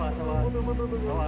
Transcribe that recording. apok gak menggunakan narkoba